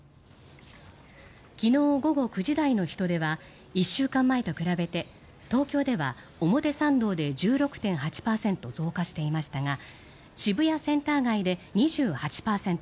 昨日午後９時台の人出は１週間前と比べて東京では表参道で１６．８％増加していましたが渋谷センター街で２８％